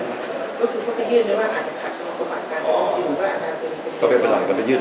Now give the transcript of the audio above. ก็คือเขาไปยื่นอาจจะขัดตัวการรองทุกวันเพียงไม่เป็นไรก็จะไปยื่น